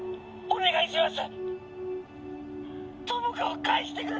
お願いします！